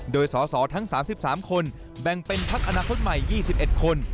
โดยสสทั้ง๓๓คนแบ่งเป็นพักอนาคตใหม่๒๑คน